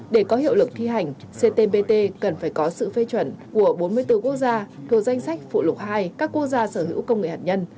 để có hiệu lực thi hành ctpt cần phải có sự phê chuẩn của bốn mươi bốn quốc gia thuộc danh sách phụ lục hai các quốc gia sở hữu công nghệ hạt nhân